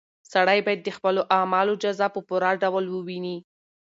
سړی باید د خپلو اعمالو جزا په پوره ډول وویني.